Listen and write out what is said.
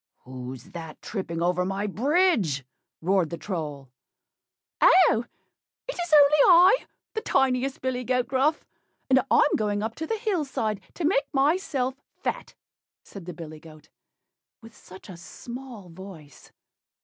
"Who's that tripping over my bridge?" roared the Troll. "Oh! it is only I, the tiniest billy goat Gruff; and I'm going up to the hill side to make myself fat," said the billy goat, with such a small voice.